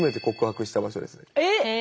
えっ！